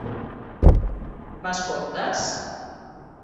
M'escoltes?